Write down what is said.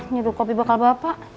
nyuruh kopi bakal bapak